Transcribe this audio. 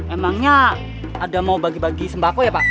emangnya ada mau bagi bagi sembako ya pak